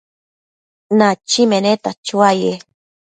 Nachi meneta chuaye